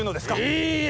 いいえ！